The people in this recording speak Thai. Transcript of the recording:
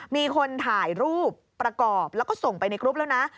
มีคนถ่ายรูปประกอบแล้วก็ส่งไปในกรุ๊ปแล้วนะ